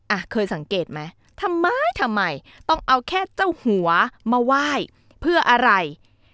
อ่ะเคยสังเกตไหมทำไมทำไมต้องเอาแค่เจ้าหัวมาไหว้เพื่ออะไร